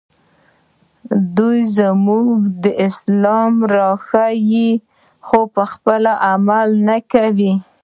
دوی موږ ته اسلام راښيي خو پخپله عمل نه کوي